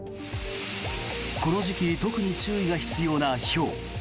この時期、特に注意が必要なひょう。